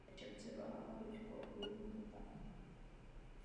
Paprika křídlatá patří mezi nejvyšší rostliny rodu paprika.